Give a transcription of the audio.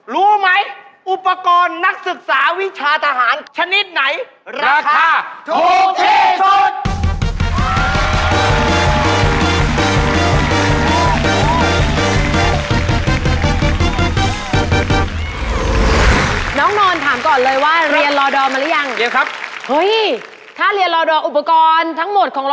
รู้ไหมอุปกรณ์นักศึกษาวิชาทหารชนิดไหน